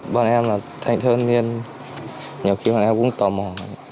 bọn em là thành thơ niên nhiều khi bọn em cũng tò mò